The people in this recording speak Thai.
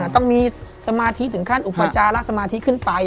ต้องมีสมาธิถึงขั้นอุปจาระสมาธิขึ้นไป